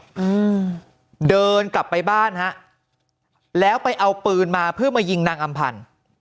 อืมเดินกลับไปบ้านฮะแล้วไปเอาปืนมาเพื่อมายิงนางอำพันธ์